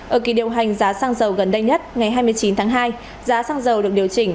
ở kỳ điều hành giá xăng dầu gần đây nhất ngày hai mươi chín tháng hai giá xăng dầu được điều chỉnh